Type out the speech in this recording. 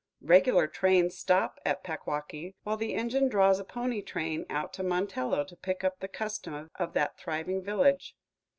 Regular trains stop at Packwaukee, while the engine draws a pony train out to Montello to pick up the custom of that thriving village.